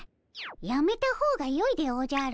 やめた方がよいでおじゃる。